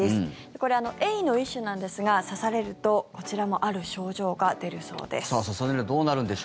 これは、エイの一種なんですが刺されるとこちらもある症状が出るそうです。